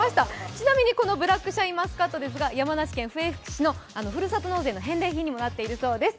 ちなみにこのシャインマスカットですが山梨県のふるさと納税の返礼品にもなっているようです。